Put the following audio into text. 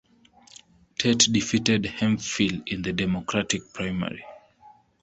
Tate defeated Hemphill in the Democratic primary.